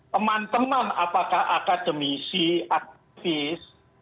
teman teman apakah akademisi aktivis